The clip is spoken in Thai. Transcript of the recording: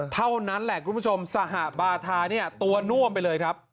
เท่านั้นแหละคุณผู้ชมสหบาทาเนี่ยตัวน่วมไปเลยครับ